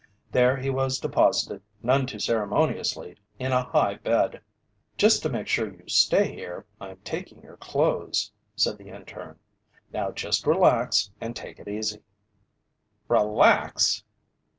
There he was deposited none too ceremoniously in a high bed. "Just to make sure you stay here, I'm taking your clothes," said the interne. "Now just relax and take it easy." "Relax!"